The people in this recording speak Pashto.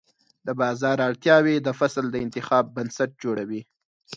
د بازار اړتیاوې د فصل د انتخاب بنسټ جوړوي.